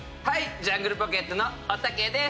ジャングルポケットのおたけです！